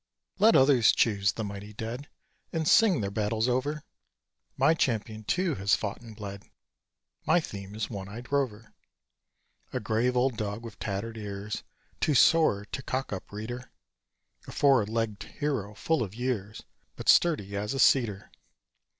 Let others choose the mighty dead, And sing their battles over! My champion, too, has fought and bled My theme is one eyed Rover. A grave old dog, with tattered ears Too sore to cock up, reader! A four legged hero, full of years, But sturdy as a cedar.